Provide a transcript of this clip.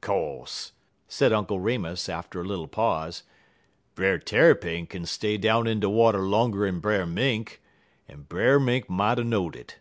Co'se," said Uncle Remus, after a little pause, "Brer Tarrypin kin stay down in de water longer'n Brer Mink, en Brer Mink mought er know'd it.